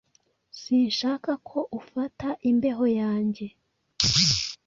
Sinshaka ko ufata imbeho yanjye.